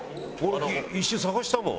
一瞬捜したもん。